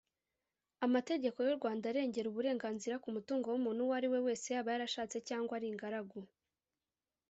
amategeko y’u rwanda arengera uburenganzira ku mutungo w’umuntu uwo ari we wese yaba yarashatse cyangwa ari ingaragu.